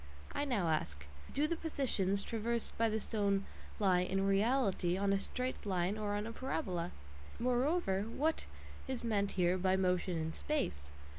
I now ask: Do the "positions" traversed by the stone lie "in reality" on a straight line or on a parabola? Moreover, what is meant here by motion "in space"